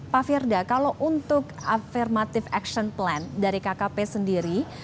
pak firda kalau untuk affirmative action plan dari kkp sendiri